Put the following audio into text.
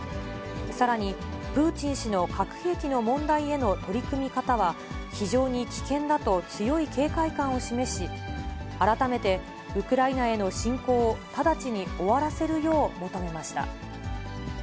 さらに、プーチン氏の核兵器の問題への取り組み方は、非常に危険だと強い警戒感を示し、改めてウクライナへの侵攻を直ちに終わらせるよう求めました。